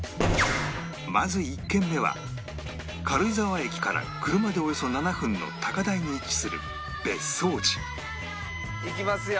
まず１軒目は軽井沢駅から車でおよそ７分の高台に位置する別荘地行きますよ。